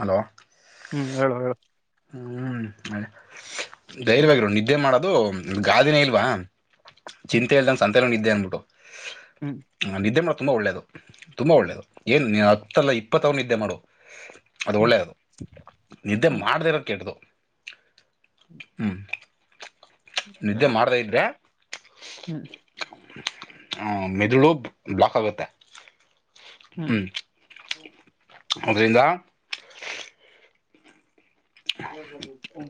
Hello ಹ್ಮ್ ಹೇಳು ಹೇಳು ಹ್ಮ್ ಅ ಹ್ಮ್ ಧೈರ್ಯವಾಗಿವಾಗಿರು ನಿದ್ದೆ ಮಾಡೋದು ಗಾದಿನೇ ಇಲ್ವಾ ಚಿಂತೆ ಇಲ್ದಂ ಸಂತೆ ನಿದ್ದೆ ಅನ್ಬಿಟ್ಟು ಹ್ಮ್ ಹ್ಮ್ ನಿದ್ದೆ ಮಾಡ ತುಂಬ ಒಳ್ಳೆಯದು ತುಂಬ ಒಳ್ಳೆಯದು ಏನು ಹತ್ತಲ್ಲ ಇಪ್ಪತ್ತ ಅವ್ರನಿದ್ದೆ ಮಾಡು ಅದು ಹ್ಮ್ ಒಳ್ಳೇದು ನಿದ್ದೆ ಹ್ಮ್ ಮಾಡದಿರ ಹ್ಮ ಏನಪ ಹ್ಮ್ ಹ್ಮ ಮೆದುಳು ಬ್ಲಾಕ್ ಆಗುತ್ತೆ ಹ್ಮ್ ಅರಿಂದ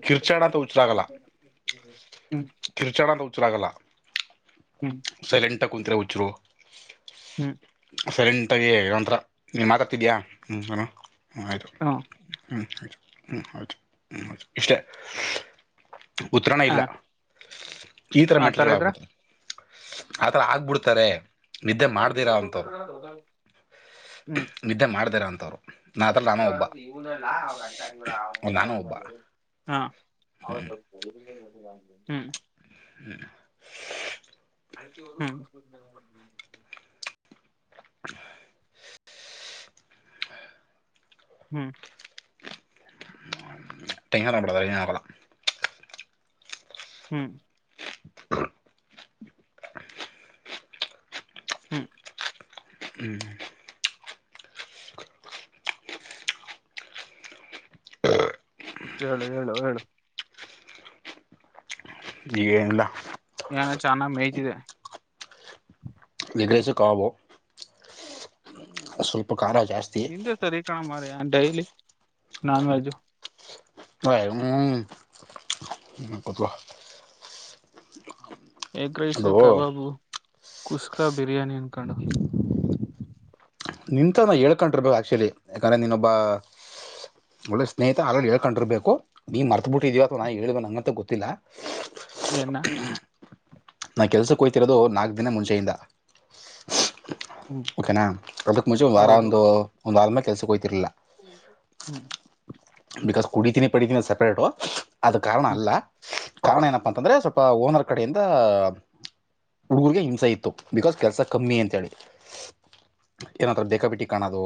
ಕಿರ್ಚಾಡ ಹ ಕಿರುಚಾಣಂದ ಹುಚ್ಚರ್ ಆಗಲ್ಲ ಹ್ಮ್ ಸೈಲೆಂಟ್ ಕುಂತರ ಹುಚ್ಚರು ಹ್ಮ್ ಸೈಲೆಂಟಾಗಿ ಒಂಥರ ನೀವು ಮಾತಾಡ್ತಿದೆಯಾ ಹ್ಞೂ ನಾನ ಹ್ಞೂ ಆಯಿತು ಹ ಹ್ಞೂ ಆಯಿತು ಹ್ಮ್ ಹದು ಹ್ಮ್ ಇಷ್ಟೇ ಉತ್ತರಾಣ ಇಲ್ಲ ಈ ಥರ ಆ ತರ ಇದ್ರ ಮೆಟ್ಲ್ಗಳಗ್ಬಿಡ್ತವೆ ಆ ಥರ ಆಗ್ಬಿಡ್ತಾರೆ ನಿದ್ದೆ ಮಾಡ್ದಿರಾ ಅಂತವ್ರು ನಿದ್ದೆ ಮಾಡ್ದಿರಾ ಅಂತವ್ರು ನಾ ಅದ್ರಲ್ಲಿ ನಾನು ಒಬ್ಬ ಇನಲ್ಲ ಅವ್ರ ಅ ನಾನು ಅವ ಒಬ್ಬ ಅವ [unintelligible] ಹಾ [unintelligible] ಹ್ಮ್ ಹ್ಮ [inaudible] ಹ್ಮ್ [inaudible] ಹ್ಮ್ ತೆಂಗಂಬಡ ಆಾಬಲ [unintelligible] ಹ್ಮ್ [inaudible] ಹ್ಮ್ ಹ್ಮ್ ಹಾ [inaudible] ಹೇಳು ಹೇಳು ಹೇಳು ಏನಿಲ್ಲ ಏನ ಚನ್ನ ಮೇಯ್ತಿದೆ ಎಗ್ ರೈಸ್ ಕಬಾಬು ಸ್ವಲ್ಪ ಖಾರ ಜಾಸ್ತಿ ನಿಂದೆ ಸರಿ ಕಣ ಮಾರಾಯ ಡೈಲಿ ನಾನ್ ವೆಜ್ಜು ಹ ಹ್ಮ್ ಸುಮ್ ಕುತ್ಕೋ ಎಗ್ ರೈಸ್ ಕಬಾಬು ಕುಸ್ಕಾ ಬಿರಿಯಾನಿ ಅನ್ಕೊಂಡು ನಿಂತವ ಹೇಳ್ಕೊಂಡಿರ್ಬೇಕ ಆ್ಯಕ್ಚುಲಿ ಯಾಕಂದರೆ ನೀನ್ನೊಬ್ಬ ಒಳ್ಳೆ ಸ್ನೇಹಿತ ಅದ್ರಲ್ಲಿ ಹೇಳ್ಕೊಂಡಿರ್ಬೇಕು ನೀ ಮರ್ತಬಿಟ್ಟಿದಿಯ ಅಥವಾ ನ ಹೇಳವ ನಂಗಂತು ಗೊತ್ತಿಲ್ಲ ಎನ್ನ ನಾ ಕೆಲ್ಸಕ್ಕೋಯ್ತಿರೋದು ನಾಕ್ ದಿನ ಮುಂಚೆಯಿಂದ ಹ್ಮ್ ಓಕೆನಾ ಅದಕ್ಕೆ ಮುಂಚೆ ವಾರ ಹೌದು ಒಂದು ಒಂದು ವಾರದ್ಮೇಲೆ ಕೆಲ್ಸಕ್ಕೆೋಗಯ್ತಿರಲಿಲ್ಲ ಹ್ಮ್ ಬಿಕಾಸ್ ಕುಡಿತೀನಿ ಪಡಿತೀನಿ ಸಪ್ರೇಟು ಅದ ಕಾರಣ ಹ್ಮ್ ಅಲ್ಲ ಕಾರಣ ಏನಪ್ಪಾ ಅಂತಂದ್ರೆ ಸ್ವಲ್ಪ್ ಪ ಓನರ್ ಕಡೆಯಿಂದ ಹುಡುಗರ್ಗೆ ಹಿಂಸಾ ಇತ್ತು ಬಿಕಾಸ್ ಕೆಲ್ಸ ಕಮ್ಮಿ ಅಂತೇಳಿ ಏನತ್ರ ಬೇಕಾಬಿಟಿ ಕಾಣೋದು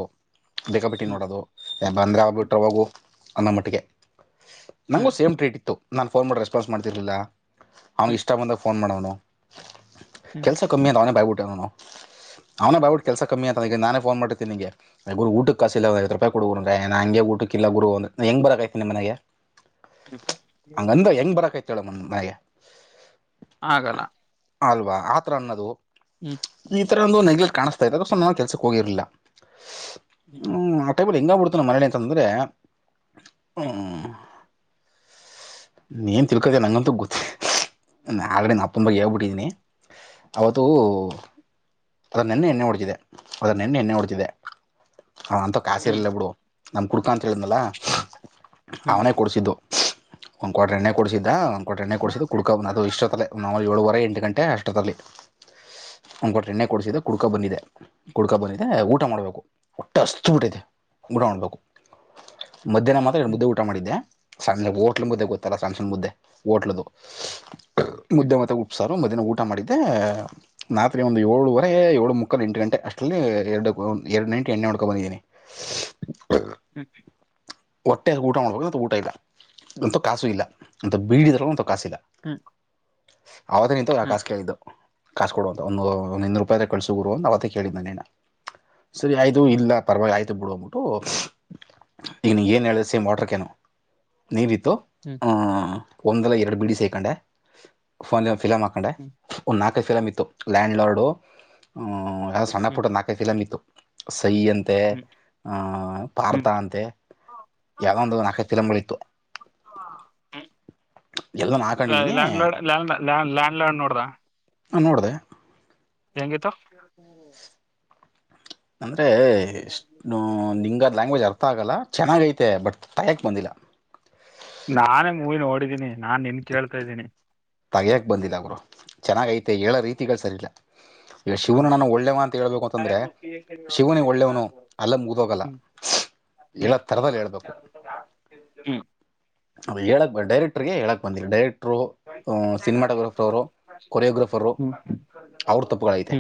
ಬೇಕಬಿಟ್ಟಿ ಹ್ಮ್ ನೋಡೋದು ಎ ಬಂದ್ರ ಆ ಬಿಟ್ರ ಹೊಗು ಅನ್ನೋ ಮಟ್ಟಿಗೆ ನನಗೂ ಹ್ಮ್ ಸೇಮ್ ಟ್ರೀಟ್ ಇತ್ತು ನಾನ್ ಫೋನ್ ಮಾಡಿ ರೆಸ್ಪಾನ್ಸ್ ಮಾಡ್ತಿರಲಿಲ್ಲ ಅವ್ನಿಗೆ ಹ್ಮ್ ಇಷ್ಟ ಬಂದಾಗ ಫೋನ್ ಮಾಡವನು ಹ್ಮ್ ಕೆಲ್ಸ ಕಮ್ಮಿ ಅಂತ ಅವನೇ ಬಾಯ್ಬಿಟ್ಟೆ ನಾವು ಅವ್ನ ಬಾಯ್ ಬಿಟ್ಟ ಕೆಲಸ ಕಮ್ಮಿ ಅಂತ ನಾನೇ ಫೋನ್ ಮಾಡಿರ್ತಿನಿ ಊಟಕ್ಕೆ ಕಾಸಿಲ್ಲ ಒಂದ್ ಐವತ್ತ್ ರೂಪಾಯಿ ಕೊಡು ಎ ನಂಗೆ ಊಟ್ ಇಲ್ಲ ಗುರು ಅಂದ ಹೆಂಗ್ ಬರಕ್ ಕೈತೆ ನಿಮ್ ಮನೆಗೆ ಬ [unintelligible] ಕೆಳಮ ಭಯ [unintelligible] ಆಗಲ್ಲ ಅಲ್ವಾ ಆತರ ಅನ್ನೋದು ಹ್ಮ್ ಈ ತರ ಒಂದು ನೆಗ್ಲೆಕ್ಟ್ ಕಾಣ್ತಾ ಇ [unintelligible] ನ ಕೆಲಸಕ್ಕೆ ಹೋಗಿರಲಿಲ್ಲ್ ಹ್ಮ್ ಆ ಟೈಬಲ್ ಹೆಂಗ ಬಿಡುತ್ ನ [unintelligible] ಮನಳಿ ಅಂತಂದ್ರೆ ಹ್ಮ್ ಹ್ಮ ನೀನ್ ತಿಳ್ಕದ ನಂಗಂತೂ ಗೊತ್ತ ಆಲ್ರೆಡಿ ನಾನು ನಮ್ ಅಪ್ಪೊನ್ ಬಗ್ಗೆ ಹೇಳ್ಬಿಟ್ಟಿದೀನಿ ಅವತ್ತು ಅದನ್ನ ನೆನ್ನೆ ಎಣ್ಣೆ ಹೊಡೆದಿದೆ ಅದನ್ನ ನೆನ್ನೆ ಎಣ್ಣೆ ಹೊಡೆದಿದೆ ಅವನಂತ ಹ್ಮ್ ಕಾಸೀರಲ್ಲ ಬಿಡು ನಾನ್ ಕುಡ್ಕ ಅಂತ ಹೇಳಿದ್ಲ ಅವನೇ ಹ್ಮ್ ಕೊಡ್ಸಿದ್ದು ಒನ್ ಕ್ವಾಟ್ರು ಎಣ್ಣೆ ಕೊಡಸಿದ್ದ ಒಂದ್ ಕ್ವಾಟ್ರು ಎಣ್ಣೆ ಕೊಡ್ಸಿದ್ದ್ ಕುಡ್ಕ ಅದು ಇಷ್ಟಲೆ ನ ಏಳುವರೆ ಎಂಟ್ ಗಂಟ್ ಅ ಅಷ್ಟೋತಲ್ಲಿ ಒಂದ್ಕಟ್ಟರ್ ಎಣ್ಣೆ ಕೊಡ್ಸಿದೆ ಕುಡ್ಕಾ ಬಂದಿದ್ದೆ, ಕುಡ್ಕಾ ಬಂದಿದೆ ಊಟ ಮಾಡ್ಬೇಕು, ಹೊಟ್ಟೆ ಹಸ್ದಬಿಟ್ಟಿದೆ. [unintelligible] ಮಧ್ಯಾಹ್ನ ಮಾತ್ರ ಎರಡು ಹ್ಮ್ ಮುದ್ದೆ ಊಟ ಮಾಡಿದ್ದೆ. ಸ ಓಟ್ಲು ಮುದ್ದೆ ಗೊತ್ತಲ್ಲ ಸಣ್ ಸಣ್ ಮುದ್ದೆ, ಓಟ್ಲುದು, ಹ್ಮ್ ಮುದ್ದೆ ಮತ್ತೆ ಉಪ್ ಸಾರು. ಮದ್ಯಾನ ಊಟ ಮಾಡಿದ್ದೆ, ರಾತ್ರಿ ಒಂದು ಏಳುವರೆ ಏಳು ಮುಕ್ಕಾಲು ಎಂಟು ಗಂಟೆ, ಅಷ್ಟರಲ್ಲಿ ಎರಡು ಎರಡು ನೈಂಟಿ ಎಣ್ಣೆ ಹೊಡ್ಕೊಂಡ ಬಂದಿದ್ದೀನಿ. ಹ ಹೊಟ್ಟೆ ಊಟ ಮಾಡ್ಬಿಡ್ಬಹುದು, ಊಟ ಇಲ್ಲ ನಂತವ್ ಕಾಸು ಇಲ್ಲ, ನಂತವ್ ಬೀಡಿ ಇದ್ರು ನಂತವ್ ಕಾಸು ಇಲ್ಲ. [unintelligible] ಅವತ್ತು ನಿಂತು ನಾ ಹ್ಮ್ ಕಾಸ್ ಕೇಳಿದ್ದು. ಕಾಸಸ್ ಕೊಡುವಂತ ಒಂದು ಒಂದ ಇನ್ನೂರು ರೂಪಾಯಿ ಕಳ್ಸುರು ಅಂತ ಅವತ್ತೇ ಕೇಳಿದ್ದ ನಿನ್ನ. ಸರಿ ಆಯ್ತು ಹ್ಮ್ ಹ್ಮ್ ಇಲ್ಲ ಪರವಾಗಿ ಆಯ್ತು ಬಿಡ್ಕೋಗ್ಬಿಟ್ಟು ಈನ ಏನು ಹೇಳಿದೆ ಸೇಮ್ ವಾಟರ್ ಕ್ಯಾನು ನೀರಿಟ್ಟು ಹ್ಮ್ ಹ ಒಂದಲ್ಲ ಎರಡು ಬಿಡಿ ಸೇಕೊಂಡೆ, ಫೈನಲಿ ಒಂದ್ ಫಿಲ್ಮ್ ಹಾಕೊಂಡೆ, ಹ್ಮ್ ಒಂದ್ ನಾಲ್ಕು ನಾಕ ಫಿಮಂ ಇತ್ತು, ಲ್ಯಾಂಡ್ ಲಾರ್ಡ್, ಸಣ್ಣ ಹ್ಮ್ ಪುಟ್ಟದ ನಲ್ಕೈದು ಫಿಲಮ್ ಇತ್ತು. [unintelligible] ಯಂತೆ, ಹ್ಮ್ ಆ ಹ್ಮ್ ಅರ್ಥ ಹ್ಮ್ ಅಂತೆ ಯಾದೊಂದು ನಾಲ್ಕೈದು ಫಿಲಂಗಳಿತ್ತು. ಹು ಹಾಕೊಂಡಿದ್ದೀನಿ ಲ್ಯಾಂಡ್, ಲಾ ಲ್ಯಾಂಡ್ ಲಾಡ್ ನೋಡ್ದ? ಹಾ ನೋಡ್ದೆ. ಹೆಂಗಿತ್ತು? ಅಂದ್ರೆ ಇಷ್ಟ ನಿಂಗ ಅದು ಲ್ಯಾಂಗ್ವೇಜ್ ಅರ್ಥ ಆಗಲ್ಲ. ಚೆನ್ನಾಗೈತೆ ಬಟ್ ತಗೆಯೋಕ್ ಬಂದಿಲ್ಲ. ನಾನು ಮೂವಿ ನೋಡಿದ್ದೀನಿ, ನಾನ್ ನಿಂಗ್ ಕೇಳ್ತಾ ಇದ್ದೀನಿ. ತಗಿಯೋಕ ಬಂದಿಲ್ಲ ಗುರು, ಚೆನ್ನಾಗೈತೆ ಹೇಳೋ ರೀತಿಗಳು ಸರಿಯಿಲ್ಲ. ಈಗ ಶಿವನು ಹ್ಮ್ ನಾನು ಒಳ್ಳೆ ಮಾತ್ತು ಹೇಳ್ಬೇಕು ಅಂತಂದ್ರೆ ಶಿವನಿಗೆ ಒಳ್ಳೇವನು ಅಲ್ಲ ಮುಗ್ದೋಗಲ್ಲ. ಹ್ಮ್ ಹೇಳೋ ತರದಲ್ಲಿ ಹೇಳ್ಬೇಕು. ಹ್ಮ್ ಅದು ಹೇಳಕ್ ಬ ಡೈರೆಕ್ಟರ್ಗೆ ಹೇಳಕ್ ಬಂದೀಲ್ಲ, ಡೈರೆಕ್ಟ್ರು ಅ ಹ್ಮ್ ಸಿನಿಮಾಟೋಗ್ರಫರು, ಕೊರಿಯೋಗ್ರಫರು, ಅವ್ರ ತಪ್ಪುಗಳು ಐತೆ.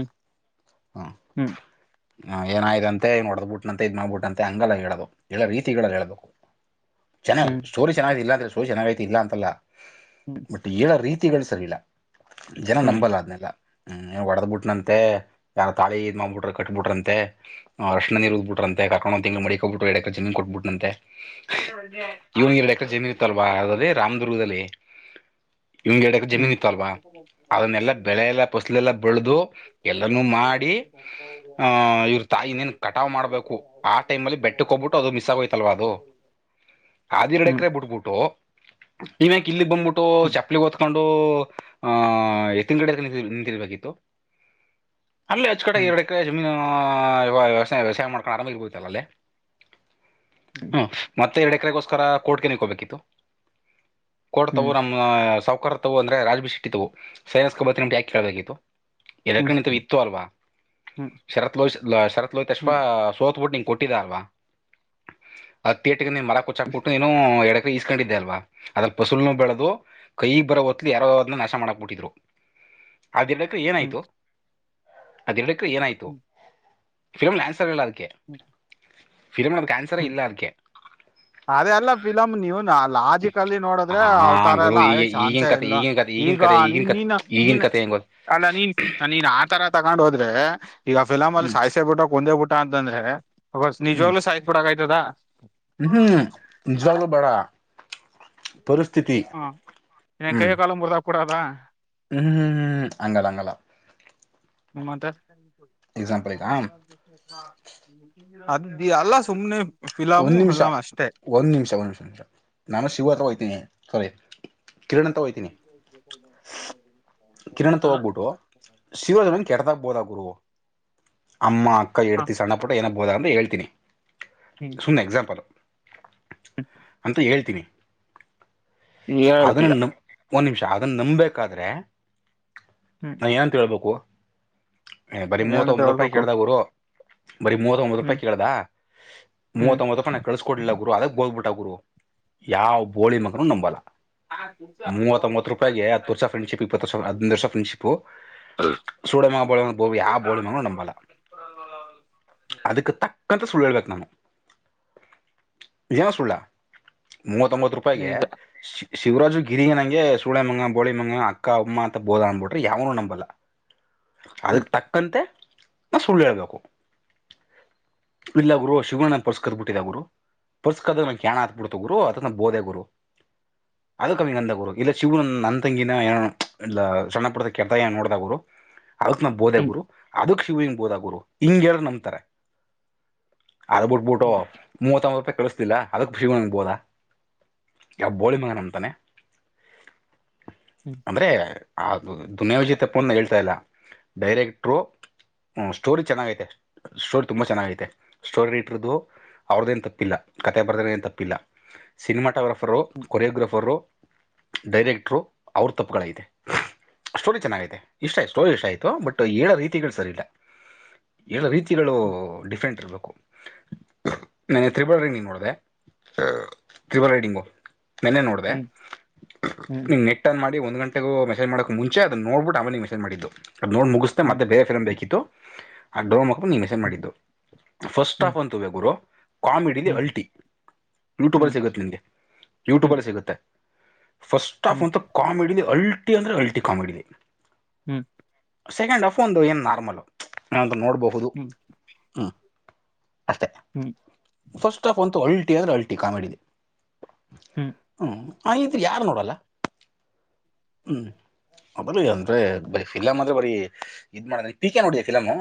ಹ್ಮ್ ಹಾ ಏನಾಯ್ದಂತೆ, ಇವ್ನು ಹೊಡ್ದ್ಬುಟ್ಟಂತೆ, ಇದ್ ಮಾಡ್ಬಿಟ್ನಂತೆ ಹಂಗಲ್ಲ ಹೇಳೋದು, ಹೇಳೊ ರೀತಿಗಳಲ್ಲಿ ಹೇಳಬೇಕು. ಚೆನ್ನಾಗಿ ಹ್ಮ್ ಹ್ಮ್ ಸ್ಟೋರಿ ಚೆನ್ನಾಗೈತಿ ಇಲ್ಲ, ಅಂದ್ರೆ ಸ್ಟೋರಿ ಚೆನ್ನಾಗೈತಿ ಇಲ್ಲ ಅಂತಲ್ಲ. ಬಟ್ ಹ್ಮ್ ಹೇಳ ರೀತಿಗಳು ಸರಿ ಇಲ್ಲ, ಜನ ನಂಬಲ್ಲ ಆದ್ನೆಲ್ಲ. ಹ್ಮ್ ಹೊಡದ್ ಬಿಟ್ನಂತೆ, ಯಾರ ತಾಳಿ ಇದ್ಮಾಡ್ಬಿಟ್ರು ಕಟ್ಟಬಿಟ್ರಂತೆ, ಅರಿಶಿಣ ನೀರು ಉಗ್ ಬಿಟ್ರಂತೆ. ಕಕೋಬಂದ್ ಒಂದ್ ತಿಂಗ್ಳು ಮಡಿಕಂಬಿಟ್ಟು ಎಡೆ [unintelligible] ಕೊಟ್ಬುಟ್ನಂತೆ. ಜಮೀನ್ ಇತ್ತಲ್ವಾ [unintelligible] ಇವಂಗೆ ಎರಡಕ್ರೆ ಹ್ಮ್ ಜಮೀನ್ ಇತ್ತು ಅಲ್ವಾ, ಅದನ್ನೆಲ್ಲಾ ಬೆಳೆ ಎಲ್ಲ ಫಸಲು ಎಲ್ಲಾ ಬೆಳೆದು, ಎಲ್ಲಾನೂ ಮಾಡಿ ಆ ಇವ್ರ ತಾಯಿ ಇನ್ನೇನ್ ಕಟಾವ್ ಮಾಡ್ಬೇಕು, ಆ ಟೈಮ್ ಅಲ್ಲಿ ಬೆಟ್ಟಕ್ಕೆ ಹೋಗ್ಬಿಟ್ಟು, ಅದು ಮಿಸ್ ಆಗೋಯ್ತಲ್ಲ ಅದು ಹ ಎರಡು ಹ್ಮ್ ಹ್ಮ್ ಎಕರೆ ಬಿಟ್ಬಿಟ್ಟು, ನೀವ್ಯಾಕೆ ಇಲ್ಲಿ ಬಂದ್ಬಿಟ್ಟು ಚಪ್ಪ ಓತ್ಕೊಂಡು, ಆ ಎತ್ತಿನ್ ಗಾಡಿಲಿ ನಿಂತು ನಿಂತಿರ್ಬೇಕಿತ್ತು. ಅಲ್ಲಿ ಅಚ್ಕಟ್ಟಾಗಿ ಎರಡೆಕ್ರೆ ಜಮೀನು ವ್ಯವಸಾಯ ವ್ಯವಸಾಯ ಮಾಡ್ಕೊಂಡು ಆರಾಮಾಗಿರ್ಬಹುದಿತ್ತಲ್ಲ ಅಲ್ಲಿ. ಹ್ಮ ಹ್ಮ್ ಮತ್ತೆ ಎರಡು ಎಕರೆಗೋಸ್ಕರ ಕೋರ್ಟ್ಕನೆಕ್ಕ ಹೋಗಬೇಕಿತ್ತು. ಕೋರ್ಟ್ ತವು ನಮ್ಮ ಸವಕಾರ ತಾವು ಅಂದ್ರೆ ರಾಜ್ಬಿ ಶೆಟ್ಟ ತವು, ಸೈನ್ಸ್ ಹಾಕ್ಸ್ಕಂಡು ಬರ್ತಿನಿ ಯಾಕೆ ಕೇಳ್ಬೇಕಿತ್ತು. ಎಲ್ಲಕಡನ ಇಂತ ಇತ್ತು ಅಲ್ವಾ ಶರತ್ ಲೋಹ ಶರತ್ ಲೋಹಿತೇಶ್ವ ಸೋತ್ಬುಟ್ಟಂ ಕೊಟ್ಟ ಟ್ಟ ಅಲ್ವಾ, ಅ ತೇಟ ನೀ ಮರ ಕುಚ್ಚಾಕಬಿಟ್ಟು ಏನೋ ಹೇಳಕ್ ಈಸ್ಕೊಂಡಿದ್ದೆ ಅಲ್ವಾ ಅದ್ರಲ್ಲಿ ಫಸುಲ್ನು ಬೆಳೆದು ಕೈ ಬರೋ ಹೊತ್ಲಿ ಯಾರೋ ಅದನ್ನ ನಾಶ ಮಾಡಕ್ ಬಿಟ್ಟಿದ್ರು ಅದು ಹ್ಮ್ ಏನಾಯ್ತು. ಅದೆರಡಕ್ರೆ ಏನಾಯ್ತು, ಫಿಲಮ್ ಆಲ್ಲಿ ಆನ್ಸರ್ ಇಲ್ಲ ಅದಕ್ಕೆ. ಫಿಲಮ್ ಅಲ್ಲಿ ಅದಕ್ಕೆ ಆನ್ಸರೆ ಹ್ಮ್ ಇಲ್ಲ ಅದಕ್ಕೆ. ಅದೇ ಅಲ್ಲ ಫಿಲಮ್ ನೀವು ನ ಲಾಜಿಕ್ ಅಲ್ಲಿ ಆ ನೋಡಿದ್ರೆ ಅವ್ ತರ ಗುರು ಎಲ್ಲಾ ಆಯ ಈಗ ಈಗಿನ ಚಾನ್ಸೆ ಕತೆ ಇಲ್ಲ, ಈಗಿನ ಕತೆ ಈಗಿನ ಈಗ ಕತೆ ಈಗಿನ ನೀನ್ ಕತೆ ನೀನ್ ಈಗಿನ ನೀನ್ ಕತೆ ಹೆಂಗ್ ಗೊತ್ತ ಅಲ್ಲ ನೀನ್ ನೀನ್ ಆ ತರ ತಗೊಂಡ್ ಹೋದ್ರೆ ಈಗ ಫಿಲಮ್ ಅಲ್ಲಿ ಹ್ಮ್ ಸಾಯ್ಸೇ ಬಿಟ್ಟ ಕೊಂದೇ ಬಿಟ್ಟ ಅಂತಂದ್ರೆ ಹ್ಮ್ ನಿಜವಾಗ್ಲೂ ಸಾಯ ಆಯ್ತದಾ ಹ್ಮ್ ನಿಜವಾಗ್ಲೂ ಬೇಡ ಪರಿಸ್ಥಿತಿ ಹಾ ನ್ ಹ್ಮ್ ಕೈಯೋ ಕಾಲು ಮುರಿದು ಹಾಕಿಬಿಡದ ಹ್ಮ್ ಹ್ಮ್ ಹ್ಮ್ ಅಂಗಲ್ಲ ಅಂಗಲ್ಲ ಮ್ಮತ್ತ ಎಕ್ಸಾಂಪಲ್ ಈಗ ಅ ಅಲ್ಲ ಸುಮ್ಮ್ನೆ ಒಂದ್ ನಿಮಿಷ ಒಂದ್ ನಿಮಿಷ ಒಂದ ನಿಮಿಷ ನಿಮಿಷ ನಾನು ಶಿವ ಹತ್ರ ಹೋಗಯ್ತೀನಿ ಸರಿ [inaudible] ಶಿವೋಜಮ ಕೆಡತಾಗಬೋದ ಗುರುವು ಅಮ್ಮ ಅಕ್ಕ ಹ ಇಡ್ತಿ ಸಣ್ಣ ಪು ಏನಕ್ಕೆಬೋದ ಅಂತ ಹೇಳ್ತೀನಿ ಹ್ಮ್ ಸುಮ್ನೆ ಎಕ್ಸಾಂಪಲ್ ಅಂತ ಹೇಳ್ತೀನಿ ಏ ಎಳತಿರ ಒಂದು ನಿಮಿಷ ಅದನ್ನು ನಂಬಬೇಕಾದ್ರೆ ಹ್ಮ್ ನಾನ ಏನಂತೇಬೇಕು ಏ ಬರಿ ಏನಂತ ಮೂವತ್ತೊಂದಂದು ರೂಪಾಯಿ ಹೇಳ್ಬೇಕು ಕೇಳ್ದಾಗ ಗುರು ಬರೀ ಮೂವತ್ತ ಒಂಬತ್ತು ರೂಪಾಯಿ ಹ್ಮ್ ಕೇಳದಾ ಹ್ಮ್ ಮೂವತ್ತೊಂಬತ್ತು ರೂಪಾಯಿ ನಾು ಕಳಿಸ್ಕೊಡ್ಿಲ್ಲ ಗುರು ಅದಕ್ಕೆ ಬೋಗದ್ಬಿಟ್ಟ ಗುರು ಯಾವ ಬೋಳಿ ಮಗನೂ ನಂಬಲ್ಲ ಮೂವತ್ತೊತ್ತ್ತು ರೂಪಾಯಗೆ ಹತ್ತು ವರ್ಷ ಫ್ರೆಂಡ್ಶಿಪ್ ಇಪ್ಪತ್ತು ವರ್ಷ ಹದಿನೊಂದು ವರ್ಷ ಫ್ರೆ್ಿು ಸೂಳೆಮಗ ಬೋಳಿಮಗ ಯ ಬೋಳಿ ಮಗನು ನಂಬಲ್ಲ ಅದಕ್ಕೆ ತಕ್ಕಂತ ಸುಳ್ಳು ಹೇಳ್ಬೇಕು ನಾನುೇನ ಸುಳ್ಳ ಮೂವತ್ತೊಂಬತ್ತು ರೂಪಾಯಿಗೆ ನಿಜ ಸಿ ಶಿವರಾಜು ಗಿರಿಯ ನಂಗೆ ಸುಳೆಮಂಗ ಬೋಳಿಮಂಗ ಅಕ್ಕ ಅಮ್ಮ ಅಂತ ಬೋದ ಅಂದಬಿಟ್ರೆ ಯ್ನುೂ ನಂಬಬಲ್ಲ ಹ್ಮ್ ಅದಕ್ಕೆ ತಕ್ಕಂತೆ ನಾ ಸುಳ್ಳು ಹೇಳ್ಬೇಕು ಇಲ್ಲ ಗುರು ಶಿವಣ್ಣ ಪೋರ್ಸ್ಕದ್ ಬಿಟ್ಟಿದ ಗುರು ಪೋಸ್ಕದ ನಗೆಾಣ ಹಾತ್ಬ ಬಿಡ್ತ ಗುರು ಅದ ಬೋದೆೆ ಗುರು ಅದು ಕಮ್ಮಿ ನಂದ ಗುರು ಇಲ್ಲ ಶಿವರು ನನ್ನ ತಂಗಿನ ಏನು ಇಲ್ಲ ಸಣ್ಣ ಪುದ ಕೆತ ನೋಡಿದಾಗ ಗುರು ಅದಕ್ ನಾ ಬೋದೆೆ ಹ್ಮ್ ಗುರು ಅದಕ್ ಹವು ಹೋದ ಗುರು ಹಿಂಗಗೆ ಹೇಳ ನಂಬತಾರೆ ಅದ ಬಿಟ್ಬಿಟ್ಟು ಮೂವತ್ತಂಬರು ರೂಪಾಯಿ ಕಳಸ ಅದಕ್ ಖುಷಿಗ್ಬೋದಾ ಯಾವ ಬೋಳಿ ಮಗನ ಅಂಬಂತಾನೆ ಹ್ಮ್ ಅಂದ್ರೆ ಅದು ದುನಿಯಾ ವಿಜಿ ತಪ್ಪನ ಹೇಳ್ತಾ ಇಲ್ಲ ಡೈರೆಕ್ಟ್ರು ಹ್ಮ ಸ್ಟೋರಿ ಚೆನ್ನಾಗೈತೆ ಸ್ಟೋರಿ ತುಂಬಾ ಚೆನ್ನಾಗ ೈತೆ ಸ್ಟೋರಿ ರೀಟರ್ದದುು ಅವ್ರದ್ದೇನು ತಪ್ಪಿಲ್ಲ ಕತೆೆ ಬರೆದ್ರ ಏನು ತಪ್ಪಿಲ್ಲ ಸಿನಿಮಾಟೋಗ್ರಫರು ಹ್ಮ್ ಕೊರಿಯೋಗ್ರಫರು ಡೈರೆಕ್ಟರು ಅವ್ರ ತಪ್ಪುಗಳತೆ ಸ್ಟೋರಿ ಚೆನ್ನಾಗೈತೆ ಇಷ್ಟ ಆಯ್ತು ಸ್ಟೋರಿ ಇಷ್ಟ ಆಯ್ತು ಬಟ್ ಏ ರೀತಿಗಳು ಸರಿ ಇಲ್ಲ ಎಲ್ಲ ರೀತಿಗಳು ಡಿಫೆಂಟ್ ಇರಬೇಕು ನನ್ನೆ ತ್ರಿಬಲ್ ರೈಡಿಂಗ್ ನೋಡಿದೆ ತ್ರಿಬಲ್ ರೈಡಿಂಗು ನೆನ್ನೆ ನೋಡಿದೆ ಹ್ಮ್ ಹ್ಮ್ ಹ್ಮ್ ಹ್ಮ್ ನೀ ನೆಟ್ ಆನ್ ಮಾಡಿ ಒಂದು್ ಗಂಟೆ ಮಸಜ್ ಮಾಡಕ್ ಮುಚೆ ಅದ ನೋಡ್ಬಿಟ್ಟ ಅವನಿಗೆ ಮೆಸೇಜ್ ಮಾಡಿದ್ದ್ ಅದು ನೋಡ್ ಮುಗಿಸ್ೆ ಹ್ಮ್ ಮತ್ತೆ ಬೇರೆ ಫಿಮ್ ಬೇಕಿತ್ತು ಆ ಡ್ರೋ ಮಕ್ಕಳು ನೀ ಮೆಸೇಜ್ ಹ್ಮ್ ಮಾಡಿದ್ದು ಫಸ್ಟ್ ಹ್ಮ್ ಆಫ್ ಅಂತುವ ಗುರು ಕಾಮಿಡಲಿ ಹ್ಮ್ ಅಲ್ಟಿ ಯೂಟ್ಯೂಬರ್ ಸಿಗುತ್ತೆ ನಿಮಗೆ ಯೂಟ್ಯೂಬರ್ ಸಿಗುತ್ತೆ ಫಸ್ಟ್ ಆಫ್ ಹ್ಮ್ ಅಂತು ಕಾಮಿಡಿ ಇದೆ ಅಲ್ಟಿ ಅಂದ್ರೆ ಅಲ್ಟಿ ಕಾಮಿಡಿ ಇದೆ ಹ್ಮ್ ಸೆಕೆಂಡ್ ಹಫ್ ಒಂದು ಏನ್ ನಾರ್ಮಲ್ ಏಂತ ನೋಡಬಹುದು ಹ್ಮ ಹ್ಮ್ ಫಸ್ಟ್ ಆಫ್ ಅಂತು ಅಲ್ಟಿ ಅಂದ್ರೆ ಅಲ್ಟಿ ಕಾಮಿಡಿ ಇದೆ ಹ್ಮ್ ಹ್ಮ ಹಾ ತ್ರಿ ಯಾರು ನೋಡಲ್ಲ ಹ್ಞ ಅದ ಅಂದರೆೆ ಬ ಫಿಲಮ್ ಅ್ರೆ ಬರಿ ಇದ್ ಮಾಡದ ಪೀಕೆ ನೋಡಿಯ ಫಿಲಮು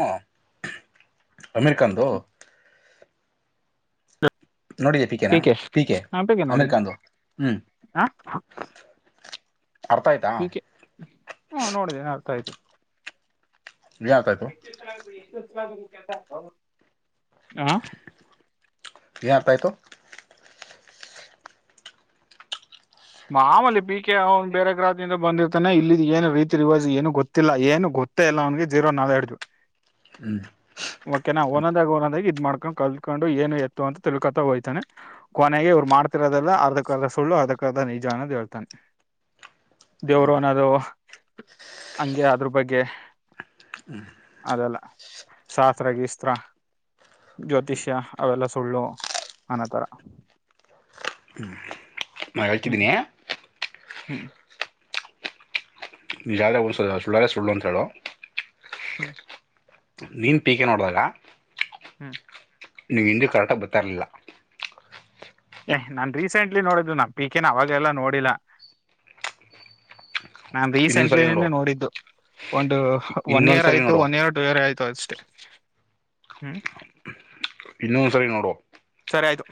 ಅಮೇರಿಕನ್ದು ನೋಡಿ ಪಿಕೆನಾ ಪಿಕೆ ಹಾ ನೋಡಿನಿ ಅಮಿರ್ಕಖಾದ ಹ್ಮ್ ಹ ಅರ್ಥ ಆಯ್ತಾ ಹೆ ಹಾ ನೋಡಿದೆ ನ ಅರ್ತಾಯಯ್ತು ಏನ್ ಅರ್ಥ ಆಯ್ತು ಹ ಈತಾಯತು ಮಾ ಮಾಮಲಿ ಪಿ ಕೆ ಅವನ್ ಬೇರೆ ಗ್ರಹದಿಂದ ಬಂದಿರ್ತಾನೆ ಇ ಏನ ರೀತಿ ರಿವಾಜ್ ಏನು ಗೊತ್ತಿಲ್ಲ ಏನು ಗೊತ್ತ ಗೊತ್ತ ಎಲ್ಲ ಅವಗೆ ಜೀರೋ ನಾ [inaudible] ಹ್ಮ್ ಓಕೆ ನ ಓಂದೂಂದಗಿ ಓಂದೂಂದಗಿ ಇದ ಮಾಡ್ ಕಲ್ತ್ಕೊಂಡು ಏನು ಎತ್ತು ಅಂತ ತಿಳ್ಕೊತಾ ಹೋಗ್ತಾನೆ ಕೊನೆಗೆ ಇವ್ರು ಮಾಡತಿರೋದಲ್ಲ ಅರ್ದಕ್ ಅರ್ದ ಸುಳ್ಳು ಅರ್ [unintelligible] ನಿಜನ ದೇ ಹಳ್ತಾನೆ ದೇವರು ಅನದು ಹಂಗೆ ಅದ್ರ ಬಗ್ಗೆ ಅದೆಲ್ಲ ಶಸ್ತ್ರ [inaudible] ಜ್ಯೋತಿಷ್ಯ ಅವೆಲ್ಲ ಸುಳ್ಳು ಅನ್ನೊತರ ಹ್ಮ್ [unintelligible] ಹೇಳ್ತಿದ್ದೀನಿ ಹ್ಮ್ ನೀಜ ಯಾ [unintelligible] [inaudible] ಸುಳ್ಳು ಅಂತ ಹೇಳು ಹ್ಮ್ ನೀನು ಪೀಕೆ ನೋಡಿದಾಗ ಹ್ಮ್ ನಿಂಗೆ ಹಿಂದಿ ಕರೆಕ್ಟ್ ಆಗಿ ಬರ್ತಿರ್ಲಿಲ್ಲ ಏ್ ನಾನ್ ರೀಸೆಂಟ್ಲಿ ನೋಡಿದು ಪಿಕೆ ನ ಅವಾಗೆಲ್ಲ ನೋಡಿಲ್ಲ ನಾನ್ ಇನ್ನೊಂದ್ಸರಿ ನೋಡು ರೀಸೆಂಟ್ಲಿನೆ ನೋಡಿದ್ದು ಒಂದು ಒನ್ ಇಯರ್ ಇನ್ನೊಂದ್ಸರಿ ಆಯ್ತು ನೋಡು ಒನ್ ಇಯರ್ ಟು ಇಯರ್ ಆಯ್ತು ಅಷ್ಟೇ ಹ್ಮ್ ಇನ್ನೊಂದ್ ಸರಿ ನೋಡು ಸರೆ ಆಯ್ತು